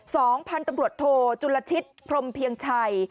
สองพันธุ์ตำรวจโทจุลชิตพรมเพียงชัย